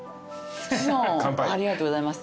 ありがとうございます。